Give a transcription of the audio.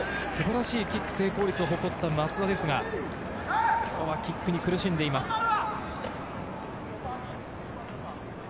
素晴らしいキックの成功率を誇った松田ですが、今日はキックに苦しんでいます。